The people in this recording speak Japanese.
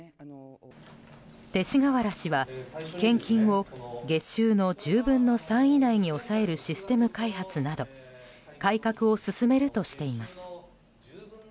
勅使河原氏は、献金を月収の１０分の３以内に抑えるシステム開発など改革を進めるとしています。